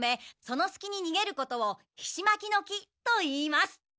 そのすきににげることをひし撒き退きといいます。